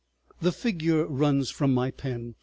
The figure runs from my pen.